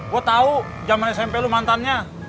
gue tahu zaman smp lo mantannya